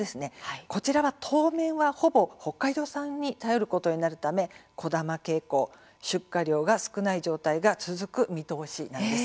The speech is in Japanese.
こちらは当面の間ほぼ北海道産に頼ることになるので小玉傾向、集荷量が少ない状態が続く見通しなんです。